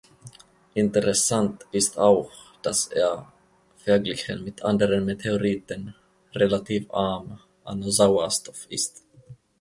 Interessant ist auch, dass er, verglichen mit anderen Meteoriten, relativ arm an Sauerstoff ist.